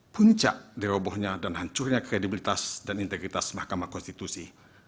puncak dirobohnya dan hancurnya kredibilitas dan integritas mahkamah konstitusi